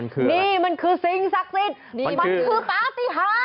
คือนี่มันคือสิ่งศักดิ์สิทธิ์มันคือปฏิหาร